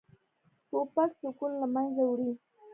توپک سکون له منځه وړي.